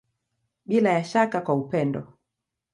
Bila ya shaka kwa upendo.